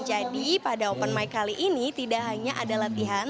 jadi pada open mic kali ini tidak hanya ada latihan